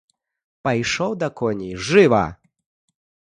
Пайшоў да коней, жыва!